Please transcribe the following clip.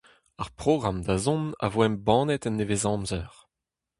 Ar programm da zont a vo embannet en nevezamzer.